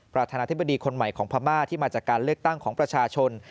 ประธานาธิบดีคนใหม่ของพม่าที่มาจากการเลือกตั้งของประชาชน